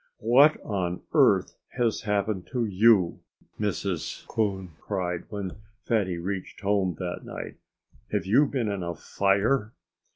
"What on earth has happened to you?" Mrs. Coon cried, when Fatty reached home that night. "Have you been in a fire?"